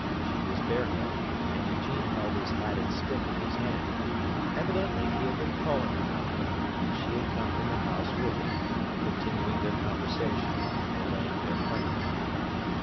She was bareheaded, and Eugene held his hat and stick in his hand; evidently he had been calling upon her, and she had come from the house with him, continuing their conversation and delaying their parting.